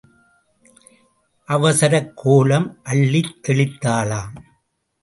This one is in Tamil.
அவசரக் கோலம் அள்ளித் தெளித்தாளாம்.